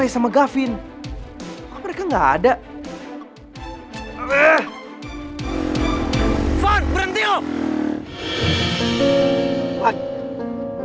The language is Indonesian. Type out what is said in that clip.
sampai jumpa di video selanjutnya